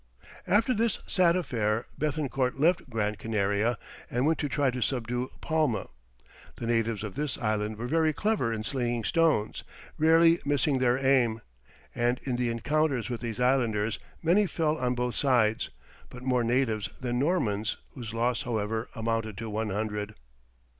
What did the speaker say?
After this sad affair Béthencourt left Gran Canaria and went to try to subdue Palma. The natives of this island were very clever in slinging stones, rarely missing their aim, and in the encounters with these islanders many fell on both sides, but more natives than Normans, whose loss, however, amounted to one hundred.